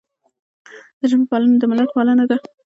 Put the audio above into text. د ژبې پالنه د ملت پالنه ده.